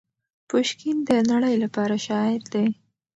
پوشکین د نړۍ لپاره شاعر دی.